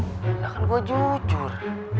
gakkan gue jujur